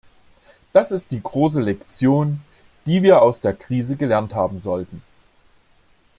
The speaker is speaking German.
Das ist die große Lektion, die wir aus der Krise gelernt haben sollten.